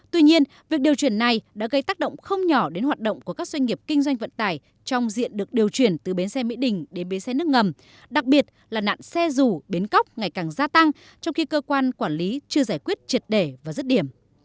tuy nhiên việc điều chuyển này đã gây tác động không nhỏ đến hoạt động của các doanh nghiệp kinh doanh vận tải trong diện được điều chuyển từ bến xe mỹ đình đến bến xe nước ngầm đặc biệt là nạn xe dù bến cóc ngày càng gia tăng trong khi cơ quan quản lý chưa giải quyết triệt để và dứt điểm